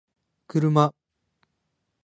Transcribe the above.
kuruma